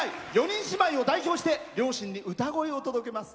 ４人姉妹を代表して両親に歌声を届けます。